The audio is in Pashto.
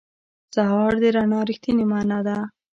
سهار د رڼا رښتینې معنا ده.